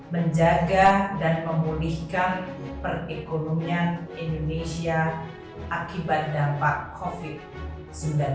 menjaga dan memulihkan perekonomian indonesia akibat dampak covid sembilan belas